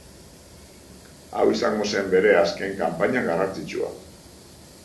Hau izango zen bere azken kanpaina garrantzitsua.